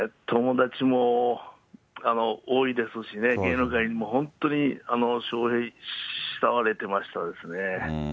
友達も多いですしね、芸能界にも本当に笑瓶、慕われてましたですね。